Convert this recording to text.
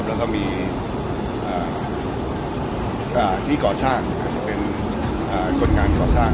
แล้วก็มีที่ก่อสร้างเป็นคนงานก่อสร้าง